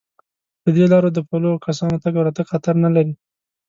په دې لارو د پلو کسانو تگ او راتگ خطر نه لري.